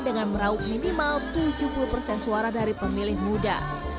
dengan merauk minimal tujuh puluh suara dari pemilih muda